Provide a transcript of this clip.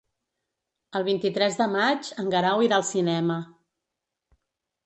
El vint-i-tres de maig en Guerau irà al cinema.